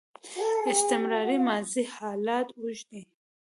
استمراري ماضي حالت اوږدوي.